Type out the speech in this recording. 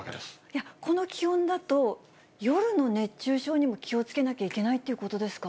この気温だと、夜の熱中症にも気をつけなきゃいけないってことですか。